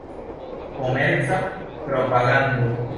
Komerca propagando.